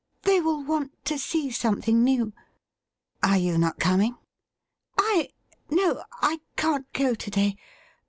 They will want to see something new.' ' Are you not coming ?'' I ? No, I can't go to day.